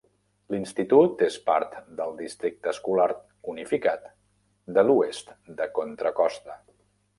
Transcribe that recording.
L'institut és part del districte escolar unificat de l'oest de Contra Costa.